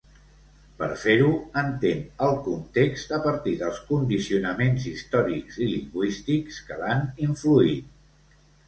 Per fer-ho, entén el context a partir dels condicionaments històrics i lingüístics que l'han influït.